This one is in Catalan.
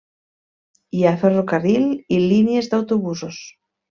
Hi ha ferrocarril i línies d'autobusos.